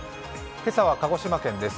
今朝は鹿児島県です。